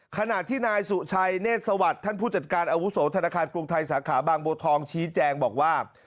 ขณะที่นายสุชัยเนธสวัสดิ์ท่านผู้จัดการอาวุโสธนาคารกรุงไทยสาขาบางบัวทองชี้แจงบอกว่า